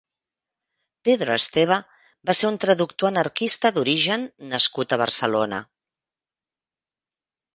Pedro Esteve va ser un traductor anarquista d'origen nascut a Barcelona.